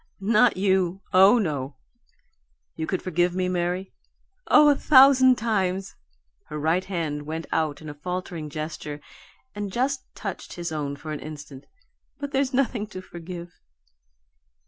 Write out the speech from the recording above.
"Not you oh no!" "You could forgive me, Mary?" "Oh, a thousand times!" Her right hand went out in a faltering gesture, and just touched his own for an instant. "But there's nothing to forgive."